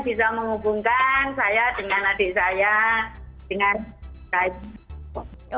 bisa menghubungkan saya dengan adik saya dengan baik